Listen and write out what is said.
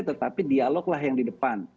tetapi dialoglah yang di depan